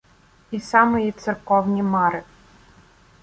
І самиї церковні мари